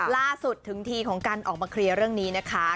ล่าสุดถึงทีของการออกมาเคลียร์เรื่องนี้นะคะ